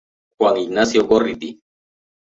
Juan Ignacio Gorriti'.